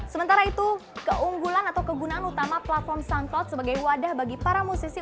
sementara itu keunggulan atau kegunaan utama platform soundcloud sebagai wadah bagi para musisi